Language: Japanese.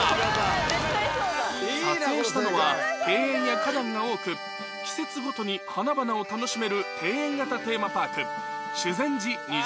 撮影したのは庭園や花壇が多く季節ごとに花々を楽しめる庭園型テーマパーク修善寺虹の郷